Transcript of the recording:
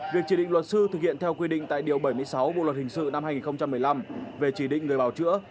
việc chỉ định luật sư thực hiện theo quy định tại điều bảy mươi sáu bộ luật hình sự năm hai nghìn một mươi năm về chỉ định người bảo chữa